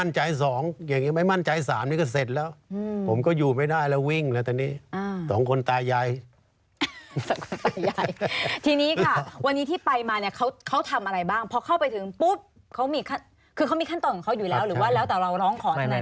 ก่อนนั้นก็คือตั้งแต่เริ่มต้นเลย